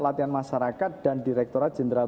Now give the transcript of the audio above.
latihan masyarakat dan direkturat jenderal